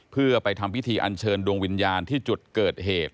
เพื่อไปทำพิธีอันเชิญดวงวิญญาณที่จุดเกิดเหตุ